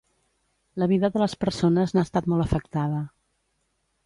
La vida de les persones n’ha estat molt afectada.